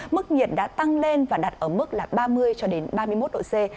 mức nhiệt đã tăng lên và đặt ở mức ba mươi ba mươi một độ c